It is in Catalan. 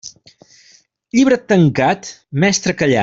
Llibre tancat, mestre callat.